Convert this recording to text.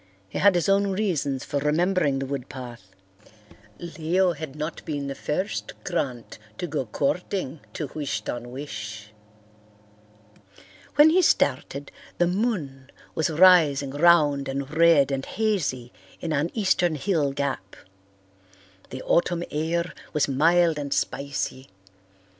He had his own reasons for remembering the wood path. Leo had not been the first Grant to go courting to Wish ton wish. When he started, the moon was rising round and red and hazy in an eastern hill gap. The autumn air was mild and spicy.